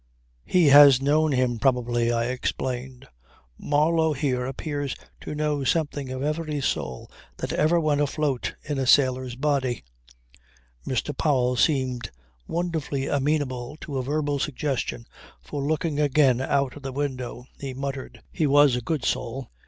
"He has known him probably," I explained. "Marlow here appears to know something of every soul that ever went afloat in a sailor's body." Mr. Powell seemed wonderfully amenable to verbal suggestions for looking again out of the window, he muttered: "He was a good soul."